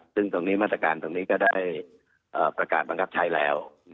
ซึ่งตรงนี้มาตรการตรงนี้ก็ได้ประกาศบังคับใช้แล้ว